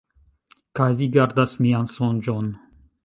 Kaj vi gardas mian sonĝon.